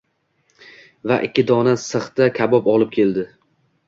va ikki dona sixda kabob olib keldi.